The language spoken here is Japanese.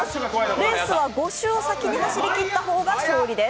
レースは５週先に走りきった方が勝利です。